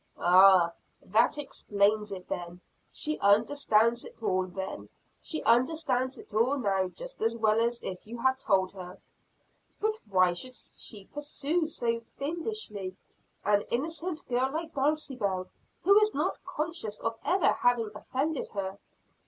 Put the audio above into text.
"Ah, that explains it then. She understands it all then. She understands it all now just as well as if you had told her." "But why should she pursue so fiendishly an innocent girl like Dulcibel, who is not conscious of ever having offended her?"